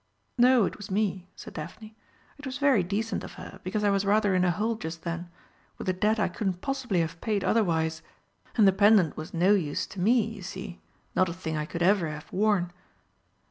"No, it was me," said Daphne. "It was very decent of her, because I was in rather a hole just then with a debt I couldn't possibly have paid otherwise and the pendant was no use to me, you see not a thing I could ever have worn."